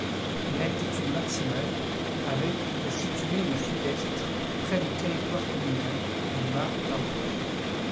L'altitude maximale avec est située au sud-est, près du territoire communal du Mas-d'Artige.